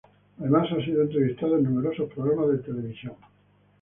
Además, ha sido entrevistado en numerosos programas de televisión.